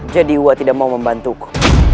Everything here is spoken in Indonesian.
jadi uak tidak mau membantuku